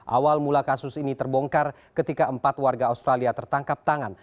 awal mula kasus ini terbongkar ketika empat warga australia tertangkap tangan